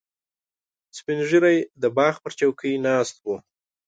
سپین ږیری د باغ پر چوکۍ ناست و.